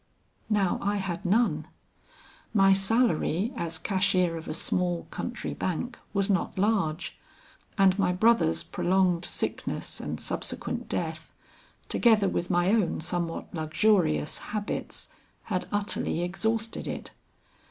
"Now I had none. My salary as cashier of a small country bank was not large, and my brother's prolonged sickness and subsequent death, together with my own somewhat luxurious habits, had utterly exhausted it.